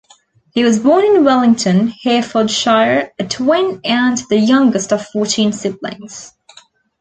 He was born in Wellington, Herefordshire, a twin, and the youngest of fourteen siblings.